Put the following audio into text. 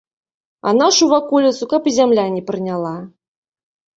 А нашу ваколіцу каб і зямля не прыняла.